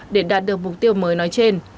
để đạt được mục tiêu mới nói trên